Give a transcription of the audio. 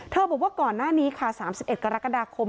เธอบอกว่าก่อนหน้านี้ค่ะสามสิบเอ็ดกรกฎาคม